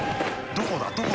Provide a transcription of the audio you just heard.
どこだ？